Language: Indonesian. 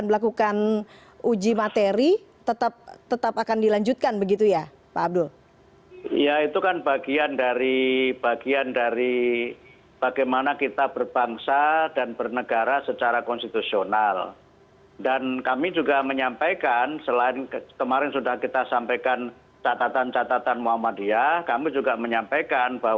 selain itu presiden judicial review ke mahkamah konstitusi juga masih menjadi pilihan pp muhammadiyah